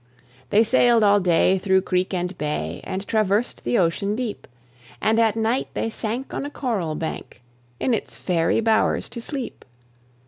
They sailed all day through creek and bay, And traversed the ocean deep; And at night they sank on a coral bank, In its fairy bowers to sleep.